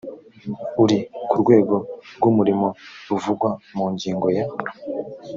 uri ku rwego rw umurimo ruvugwa mu ngingo ya